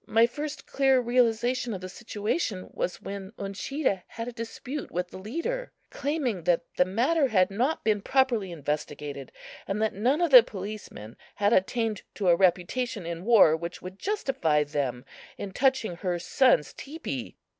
My first clear realization of the situation was when Uncheedah had a dispute with the leader, claiming that the matter had not been properly investigated, and that none of the policemen had attained to a reputation in war which would justify them in touching her son's teepee.